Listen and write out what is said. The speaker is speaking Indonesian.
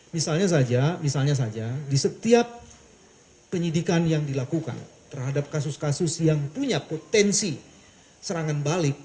misalnya saja misalnya saja di setiap penyidikan yang dilakukan terhadap kasus kasus yang punya potensi serangan balik